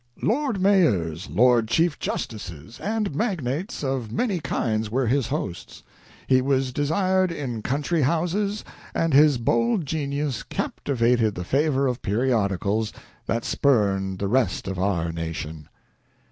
Lord mayors, lord chief justices, and magnates of many kinds were his hosts; he was desired in country houses, and his bold genius captivated the favor of periodicals, that spurned the rest of our nation."